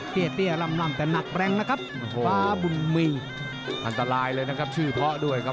เตี้ยร่ำแต่หนักแรงนะครับฟ้าบุญมีอันตรายเลยนะครับชื่อเพาะด้วยครับ